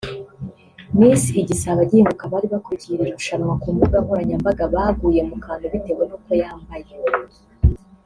Miss Igisabo agihinguka abari bakurikiye iri rushanwa ku mbuga nkoranyambaga baguye mu kantu bitewe n'uko yambaye